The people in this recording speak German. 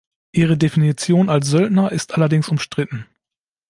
Ihre Definition als Söldner ist allerdings umstritten.